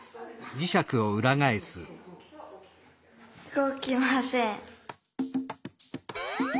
動きません。